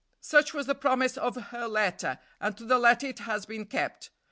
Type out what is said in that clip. "Such was the promise of her letter, and to the letter it has been kept.